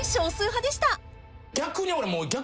逆に俺もう。